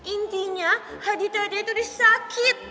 intinya hati tata itu disakit